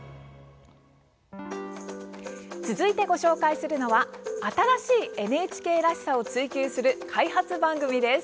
続いてご紹介するのは新しいＮＨＫらしさを追求する開発番組です！